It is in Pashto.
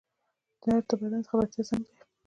درد د بدن د خبرتیا زنګ دی